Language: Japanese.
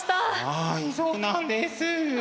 はいそうなんです。